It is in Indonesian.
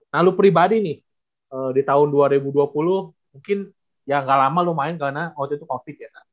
nah lo pribadi nih di tahun dua ribu dua puluh mungkin ya gak lama lo main karena waktu itu covid ya kan